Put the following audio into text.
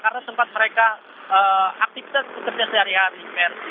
karena sempat mereka aktivitas sehari hari